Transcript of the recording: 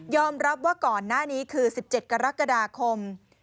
รับว่าก่อนหน้านี้คือ๑๗กรกฎาคม